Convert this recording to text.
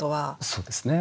そうですね。